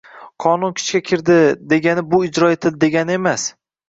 Qonun kuchga kirdi, degani bu ijro etildi degani emas